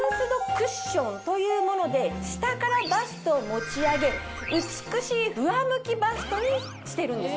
というもので下からバストを持ち上げ美しい上向きバストにしてるんです。